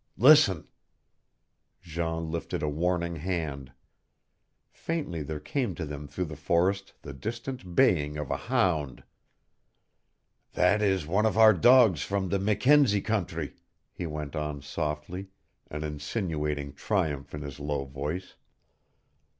Listen!" Jean lifted a warning hand. Faintly there came to them through the forest the distant baying of a hound. "That is one of our dogs from the Mackenzie country," he went on softly, an insinuating triumph in his low voice.